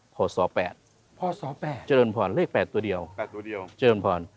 พ่อสอแปดพ่อสอแปดเจริญพรเลขแปดตัวเดียวแปดตัวเดียวเจริญพร